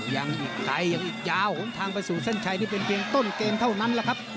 ยังไกลยังอีกยาวหนทางไปสู่เส้นชัยนี่เป็นเพียงต้นเกมเท่านั้นแหละครับ